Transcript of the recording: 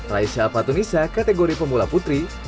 raisa fatunisa kategori pemula putri